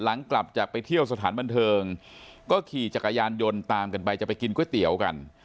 หลังกลับจากไปเที่ยวสถานบันเทิงก็ขี่จักรยานยนต์ตามกันไปจะไปกินก๋วยเตี๋ยวกัน